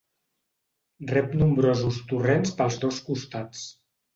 Rep nombrosos torrents pels dos costats.